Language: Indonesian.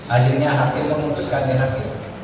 akhirnya hakim memutuskannya hakim